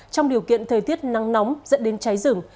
trong điều kiện thời tiết nắng nóng dẫn đến cháy rừng